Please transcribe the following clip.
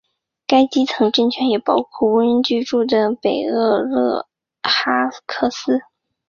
该基层政权也包括无人居住的北厄勒哈克斯。